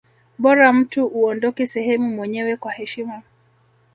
bora mtu uondoke sehemu mwenyewe kwa heshima